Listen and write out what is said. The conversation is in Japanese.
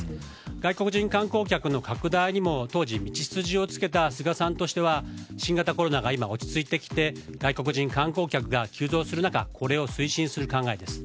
外国人観光客の拡大にも当時、道筋をつけた菅さんとしては新型コロナが今落ち着いてきて外国人観光客が急増する中これを推進する考えです。